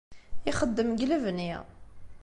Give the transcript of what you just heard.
Ixeddem deg lebni.